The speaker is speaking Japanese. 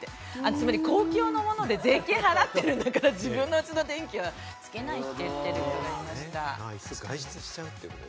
つまり公共のもので、税金を払ってるんだから、自分の家の電気はつけないという方がいました。